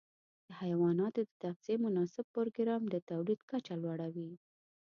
د حيواناتو د تغذیې مناسب پروګرام د تولید کچه لوړه وي.